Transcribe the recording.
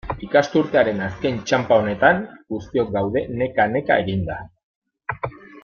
Ikasturtearen azken txanpa honetan, guztiok gaude neka-neka eginda.